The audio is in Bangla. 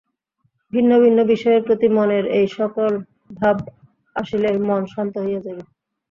ভিন্ন ভিন্ন বিষয়ের প্রতি মনের এই-সকল ভাব আসিলে মন শান্ত হইয়া যাইবে।